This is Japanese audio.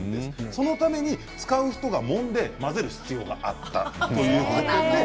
そのために、使う人がもんで混ぜる必要があったということなんです。